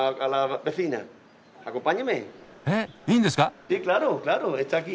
えっいいんですか？